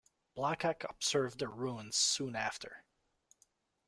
Black Hawk observed the ruins soon after.